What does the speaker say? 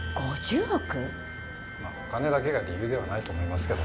まあお金だけが理由ではないと思いますけど。